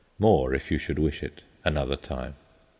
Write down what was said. More, if you should wish it, another time.